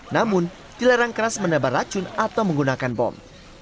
namun dilarang keras menebar racun atau menggunakan bom